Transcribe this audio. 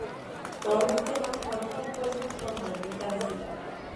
Todos los temas fueron compuestos por Maldita Vecindad.